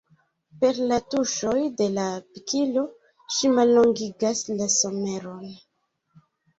Per la tuŝoj de la pikilo ŝi mallongigas la someron.